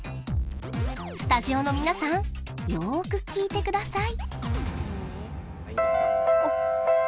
スタジオの皆さんよく聞いてください。